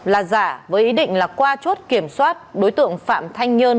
là giả với ý định là qua chốt kiểm soát đối tượng phạm thanh nhơn